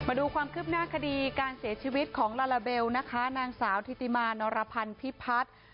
มาดูความคืบหน้าคดีการเสียชีวิตของลาลาเบลนะคะนางสาวธิติมานรพันธิพัฒน์